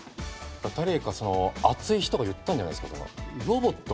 誰かその熱い人が言ったんじゃないですか。